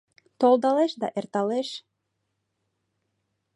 Толдалеш да эрталеш.